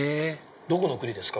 どこの国ですか？